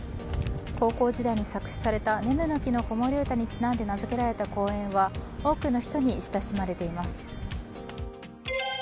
高校時代に作詞された「ねむの木の子守唄」にちなんで名づけられた公園は多くの人に親しまれています。